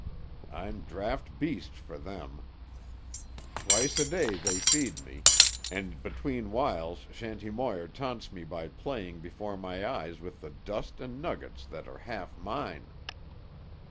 I'm draft beast for them. Twice a day they feed me. And between whiles Shanty Moir taunts me by playing before my eyes with the dust and nuggets that are half mine."